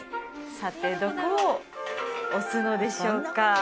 さてどこを押すのでしょうか？